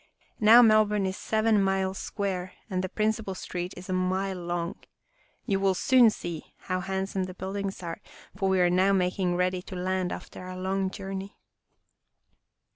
Now Melbourne is seven miles square and the principal street is a mile long. You will soon see how handsome the buildings are, for we are now making ready to land after our long jour ney."